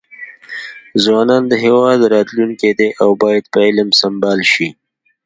ځوانان د هیواد راتلونکي دي او باید په علم سمبال شي.